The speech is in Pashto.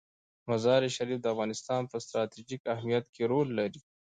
مزارشریف د افغانستان په ستراتیژیک اهمیت کې رول لري.